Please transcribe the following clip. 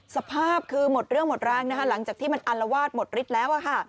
สภาพคือหมดเรื่องหมดแรงหลังจากที่มันอัลวาดหมดฤทธิ์แล้ว